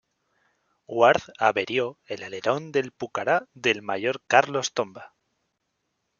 Ward averió un alerón del Pucará del mayor Carlos Tomba.